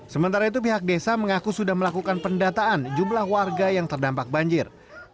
sementara itu pihak desa mengaku sudah melakukan pendataan jumlah warga yang terdampak banjir